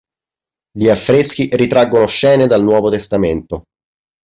Gli affreschi ritraggono scene dal Nuovo Testamento.